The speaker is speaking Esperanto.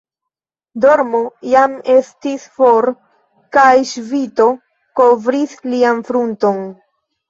Dormo jam estis for, kaj ŝvito kovris lian frunton.